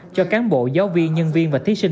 cho cán bộ giáo viên nhân viên và thí sinh